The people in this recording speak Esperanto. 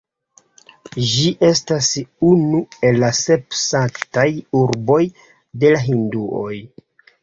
Ĝi estas unu el la sep sanktaj urboj de la hinduoj.